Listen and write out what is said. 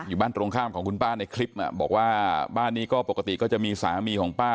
อยู่บ้านตรงข้ามของคุณป้าในคลิปบอกว่าบ้านนี้ก็ปกติก็จะมีสามีของป้า